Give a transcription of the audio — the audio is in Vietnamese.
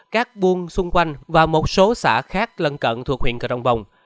các buôn xung quanh và một số xã khác lân cận thuộc huyện cờ rồng bồng